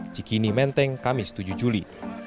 cikini menteng kamis tujuh juli